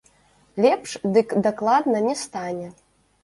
Лепш дык дакладна не стане.